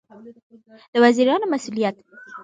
د وزیرانو مسوولیت